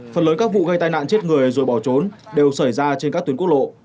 phần lớn các vụ gây tai nạn chết người rồi bỏ trốn đều xảy ra trên các tuyến quốc lộ